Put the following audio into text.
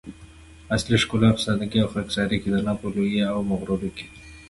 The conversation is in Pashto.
اصلي ښکلا په سادګي او خاکساري کی ده؛ نه په لويي او مغروري کي